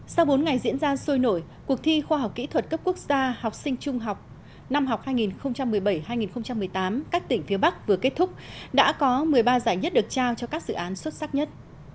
sau bốn ngày diễn ra sôi nổi cuộc thi khoa học kỹ thuật cấp quốc gia học sinh trung học năm học hai nghìn một mươi bảy hai nghìn một mươi tám các tỉnh phía bắc vừa kết thúc đã có một mươi ba giải nhất được trao cho các dự án xuất sắc nhất